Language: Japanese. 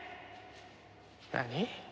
何？